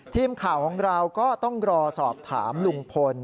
ทีมข่าวของเราก็ต้องรอสอบถามลุงพล